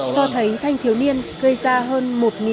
cho thấy thanh thiếu niên gây ra hơn một